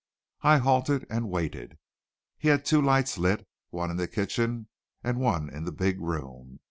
I halted and waited. He had two lights lit, one in the kitchen, and one in the big room.